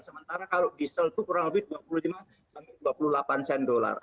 sementara kalau diesel itu kurang lebih dua puluh lima sampai dua puluh delapan sen dolar